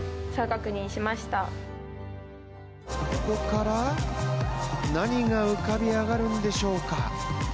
ここから何が浮かび上がるんでしょうか。